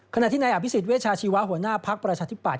ขณะที่นายอภิษฎเวชาชีวะหัวหน้าภักดิ์ประชาธิปัต